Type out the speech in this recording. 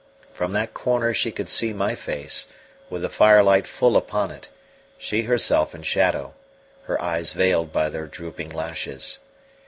From that corner she could see my face, with the firelight full upon it, she herself in shadow, her eyes veiled by their drooping lashes.